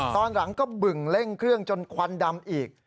ตอนหลังก็บึ่งเร่งเครื่องจนควันดำอีก